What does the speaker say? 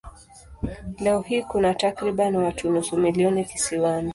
Leo hii kuna takriban watu nusu milioni kisiwani.